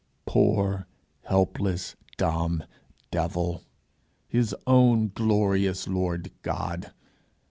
Poor helpless dumb devil! his own glorious lord god!